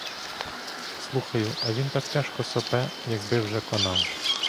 Слухаю, а він так тяжко сопе, якби вже конав.